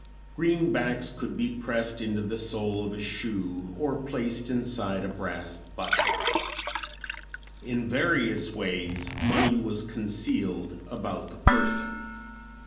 Greenbacks could be pressed into the sole of a shoe, or placed inside a brass button. In various ways money was concealed about the person.